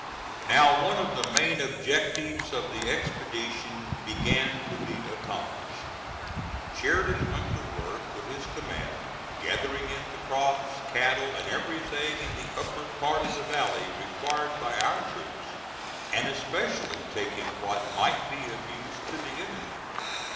Now one of the main objects of the expedition began to be accomplished. Sheridan went to work with his command, gathering in the crops, cattle, and everything in the upper part of the valley required by our troops; and especially taking what might be of use to the enemy.